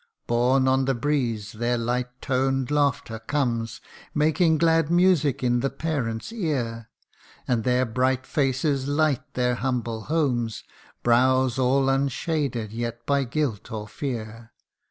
Borne on the breeze their light toned laughter comes, Making glad music in the parents' ear ; And their bright faces light their humble homes, Brows all unshaded yet by guilt or fear